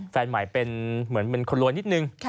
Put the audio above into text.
แฟนใหม่เป็นเหมือนคนล้วนนิดนึง